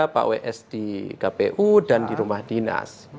pak ws di kpu dan di rumah dinas